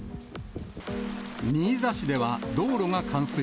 新座市では道路が冠水。